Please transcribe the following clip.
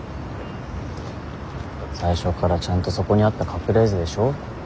最初からちゃんとそこにあったカプレーゼでしょ。